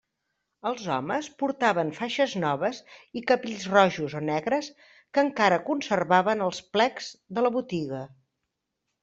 Els homes portaven faixes noves i capells rojos o negres que encara conservaven els plecs de la botiga.